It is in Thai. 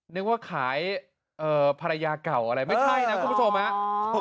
นึกว่าขายเอ่อภรรายาเหล่าอะไรไม่ใช่นะคุณผู้ชมแน็ต